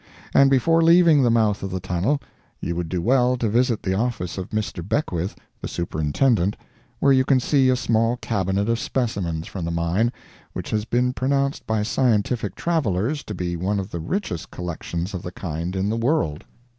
And before leaving the mouth of the tunnel, you would do well to visit the office of Mr. Beckwith, the superintendent, where you can see a small cabinet of specimens from the mine which has been pronounced by scientific travelers to be one of the richest collections of the kind in the world.